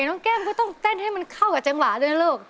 น้องแก้มก็ต้องเต้นให้มันเข้ากับจังหวะด้วยนะลูก